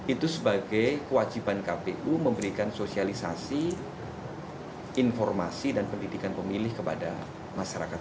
itu sebagai kewajiban kpu memberikan sosialisasi informasi dan pendidikan pemilih kepada masyarakat